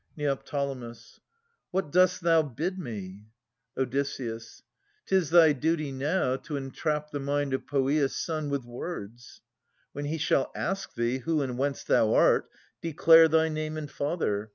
Neo. What dost thou bid me? Od. 'Tis thy duty now To entrap the mind of Poeas' son with words. When he shall ask thee, who and whence thou art, Declare thy name and father.